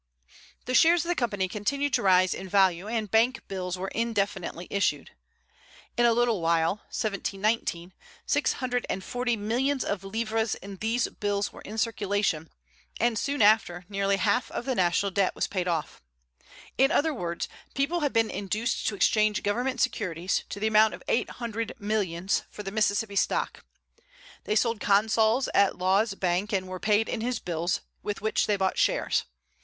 The shares of the Company continued to rise in value, and bank bills were indefinitely issued. In a little while (1719), six hundred and forty millions of livres in these bills were in circulation, and soon after nearly half of the national debt was paid off'; in other words, people had been induced to exchange government securities, to the amount of eight hundred millions, for the Mississippi stock. They sold consols at Law's bank, and were paid in his bills, with which they bought shares.